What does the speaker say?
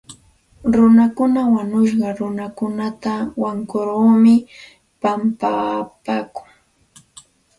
Runakuna wañushqa runakunata wankurkurmi pampapaakun.